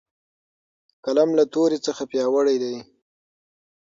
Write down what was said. قلم له تورې څخه پیاوړی دی.